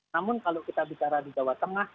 namun kalau kita bicara di jawa tengah